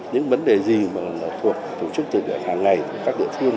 những vấn đề gì mà thuộc tổ chức tự nhiệm hàng ngày các địa phương